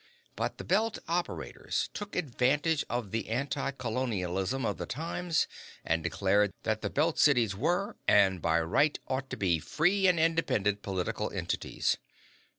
But the Belt operators took advantage of the anticolonialism of the times and declared that the Belt cities were, and by right ought to be, free and independent political entities.